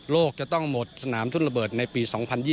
จะต้องหมดสนามทุนระเบิดในปี๒๐๒๐